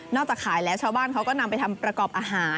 จากขายแล้วชาวบ้านเขาก็นำไปทำประกอบอาหาร